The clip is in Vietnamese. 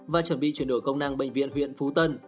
và chuẩn bị chuyển đổi công năng bệnh viện huyện phú tân